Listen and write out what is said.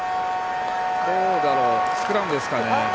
スクラムですかね。